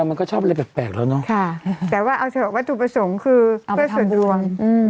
อะไรแปลกแล้วเนอะค่ะแต่ว่าเอาเถอะว่าถุประสงค์คือเพื่อส่วนรวม